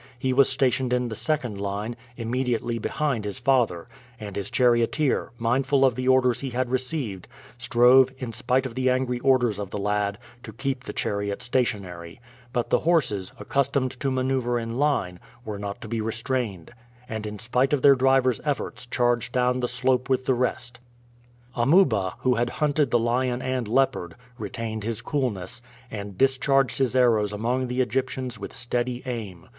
He was stationed in the second line, immediately behind his father; and his charioteer, mindful of the orders he had received, strove, in spite of the angry orders of the lad, to keep the chariot stationary; but the horses, accustomed to maneuver in line, were not to be restrained, and in spite of their driver's efforts charged down the slope with the rest. Amuba, who had hunted the lion and leopard, retained his coolness, and discharged his arrows among the Egyptians with steady aim.